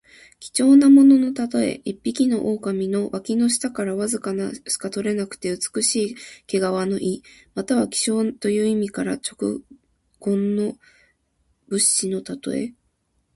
貴重なもののたとえ。一匹の狐の脇の下からわずかしか取れない白くて美しい毛皮の意。また、希少なという意から直言の士のたとえ。